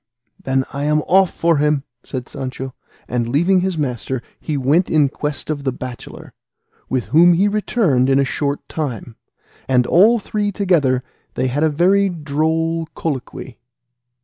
"Then I am off for him," said Sancho; and leaving his master he went in quest of the bachelor, with whom he returned in a short time, and, all three together, they had a very droll colloquy.